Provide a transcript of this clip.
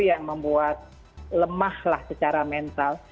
yang membuat lemah lah secara mental